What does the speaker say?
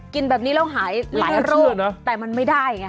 กินแบบนี้แล้วหายหลายโรคนะแต่มันไม่ได้ไง